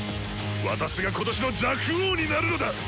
私が今年の若王になるのだ！